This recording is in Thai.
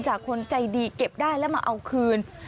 คนใจดีเก็บได้แล้วมาเอาคืน